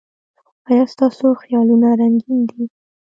ایا ستاسو خیالونه رنګین دي؟